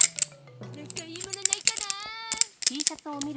なんかいいものないかなあ。